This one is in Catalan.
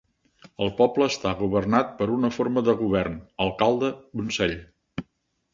El poble està governat per una forma de govern alcalde-consell.